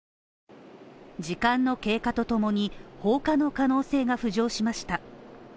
時間の経過とともに、放火の可能性が浮上しました。